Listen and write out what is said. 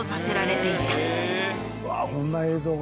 うわこんな映像が。